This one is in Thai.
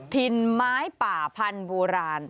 ถิ่นไม้ป่าพันธุ์โบราณ